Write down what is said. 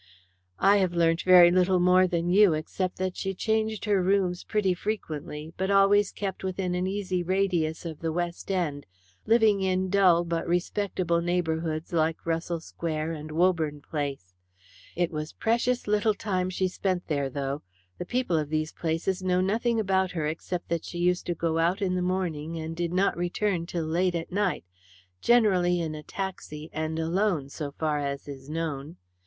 "I have learnt very little more than you, except that she changed her rooms pretty frequently, but always kept within an easy radius of the West End, living in dull but respectable neighbourhoods like Russell Square and Woburn Place. It was precious little time she spent there, though. The people of these places know nothing about her except that she used to go out in the morning and did not return till late at night generally in a taxi, and alone, so far as is known.